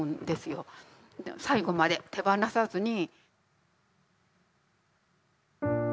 最後まで手放さずに。